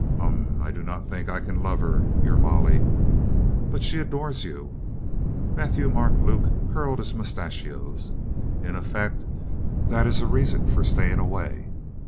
"Hum! I do not think I can love her, your Molly." "But she adores you." Matthieu Marc Luc curled his moustachios. "In effect, that is a reason for staying away.